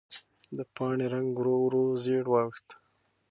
د پاڼې رنګ ورو ورو ژېړ واوښت.